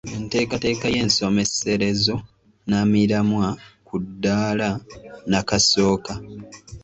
Enteekateeka y'ensomeserezo nnamiramwa ku ddaala nnakasooka.